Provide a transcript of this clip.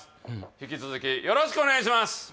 引き続きよろしくお願いします